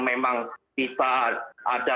memang kita ada